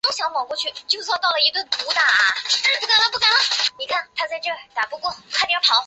近亲长臂蟹为玉蟹科长臂蟹属的动物。